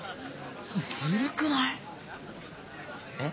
ずるくない？え？